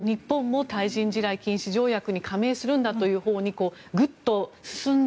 その小渕恵三外務大臣が日本も対人地雷禁止条約に加盟するんだというほうにグッと進んだ。